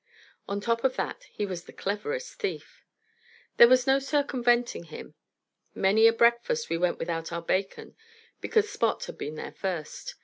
On top of that, he was the cleverest thief. These was no circumventing him. Many a breakfast we went without our bacon because Spot had been there first.